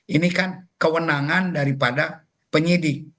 ini kan kewenangan daripada penyidik